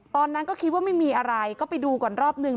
ตอนนั้นก็คิดว่าไม่มีอะไรก็ไปดูก่อนรอบนึง